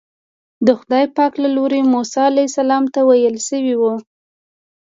د خدای پاک له لوري موسی علیه السلام ته ویل شوي وو.